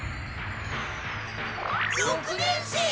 六年生！